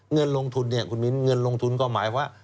เงินลงทุนเนี่ยคุณมิ้นเงินลงทุนก็หมายว่า